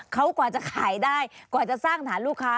เขากว่าจะขายได้กว่าจะสร้างฐานลูกค้า